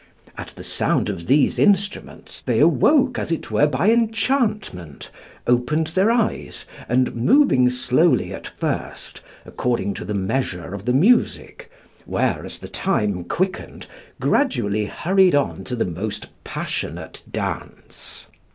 At the sound of these instruments they awoke as it were by enchantment, opened their eyes, and moving slowly at first, according to the measure of the music, were, as the time quickened, gradually hurried on to the most passionate dance.